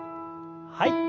はい。